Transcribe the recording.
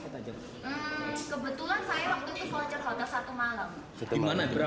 kebetulan saya waktu itu voucher hotel satu malam